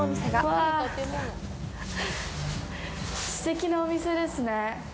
うわぁ、すてきなお店ですね。